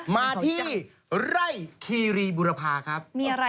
มาที่ไร่คีรีบุรภาครับ